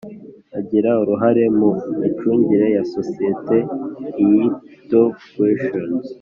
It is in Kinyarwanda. agira uruhare mu micungire ya sosiyete iyi to question